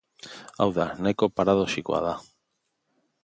Hau da, nahiko paradoxikoa da.